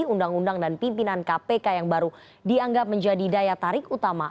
undang undang dan pimpinan kpk yang baru dianggap menjadi daya tarik utama